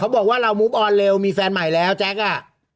บอกว่าเรามุบออนเร็วมีแฟนใหม่แล้วแจ๊คอ่ะ